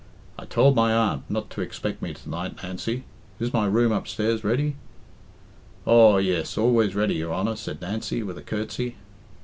"I told my aunt not to expect me to night, Nancy. Is my room upstairs ready?" "Aw, yes, always ready, your honour," said Nancy, with a curtsey.